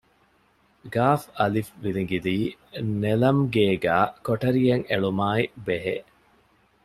ގއ.ވިލިނގިލީ ނެލަމްގޭގައި ކޮޓަރިއެއް އެޅުމާއި ބެހޭ